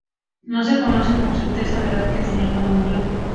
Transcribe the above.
No se conoce con certeza la edad que tenía cuando murió.